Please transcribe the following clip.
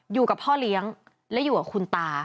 อยู่กับพ่อเลี้ยงและอยู่กับคุณตา